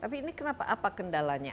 tapi ini kenapa apa kendalanya